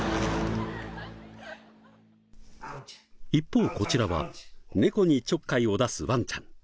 一方こちらは猫にちょっかいを出すワンちゃん。